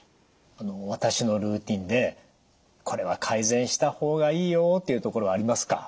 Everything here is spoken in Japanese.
私のルーティンでこれは改善した方がいいよというところはありますか？